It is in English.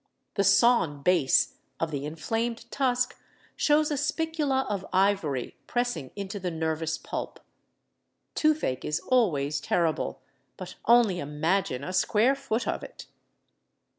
The sawn base of the inflamed tusk shows a spicula of ivory pressing into the nervous pulp. Toothache is always terrible, but only imagine a square foot of it!